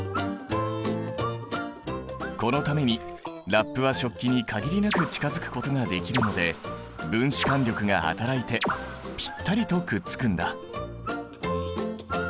このためにラップは食器に限りなく近づくことができるので分子間力がはたらいてぴったりとくっつくんだ。